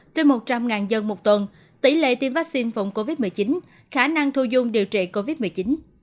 trên một trăm linh dân một tuần tỷ lệ tiêm vaccine phòng covid một mươi chín khả năng thu dung điều trị covid một mươi chín